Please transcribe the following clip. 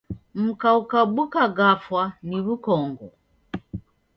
Mka ukabuka gafwa ni w'ukongo?